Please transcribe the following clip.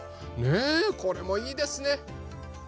ねえこれもいいですね。